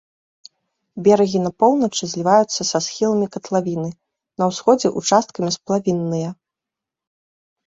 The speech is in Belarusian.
Берагі на поўначы зліваюцца са схіламі катлавіны, на ўсходзе участкамі сплавінныя.